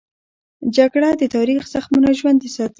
جګړه د تاریخ زخمونه ژوندي ساتي